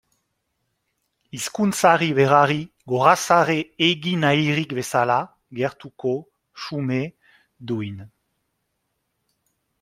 Hizkuntzari berari gorazarre egin nahirik bezala, gertuko, xume, duin.